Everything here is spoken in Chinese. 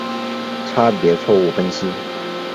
差别错误分析。